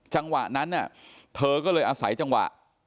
จังหวะนั้นเธอก็เลยอาศัยจังหวะ